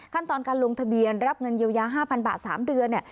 ขั้นตอนการลงทะเบียนรับเงินเยียวยา๕๐๐บาท๓เดือน